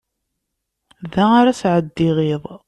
Da ara sɛeddiɣ iḍ.